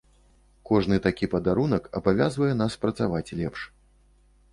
Кожны такі падарунак абавязвае нас працаваць лепш.